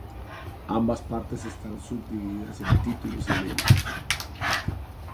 Ambas partes están subdivididas en títulos y leyes.